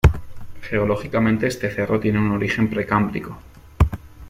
Geológicamente este cerro tiene un origen precámbrico.